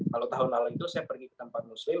kalau tahun lalu itu saya pergi ke tempat muslim